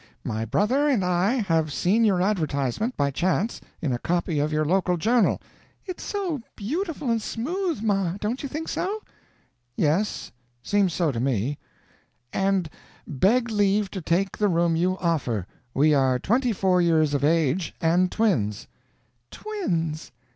'My brother and I have seen your advertisement, by chance, in a copy of your local journal' "It's so beautiful and smooth, ma don't you think so?" "Yes, seems so to me 'and beg leave to take the room you offer. We are twenty four years of age, and twins '" "Twins!